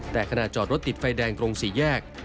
แต่ขณะจอดรถติดไฟแดงตรงสี่แยก